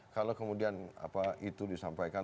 kalau kemudian itu disampaikan